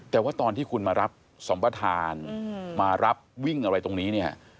แต่ว่าตอนที่คุณมารับสัมประธานมารับวิ่งอะไรตรงนี้เนี่ย